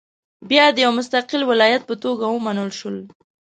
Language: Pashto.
بیا د یو مستقل ولایت په توګه ومنل شول.